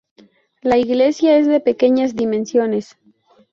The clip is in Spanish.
La iglesia es de pequeñas dimensiones.